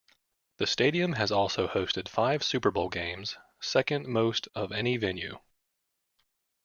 The stadium has also hosted five Super Bowl games, second most of any venue.